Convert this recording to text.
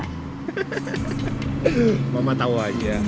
kamu sekarang pasti mau ke keluarganya rama